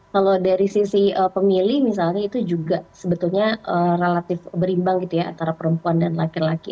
kalau dari sisi pemilih misalnya itu juga sebetulnya relatif berimbang gitu ya antara perempuan dan laki laki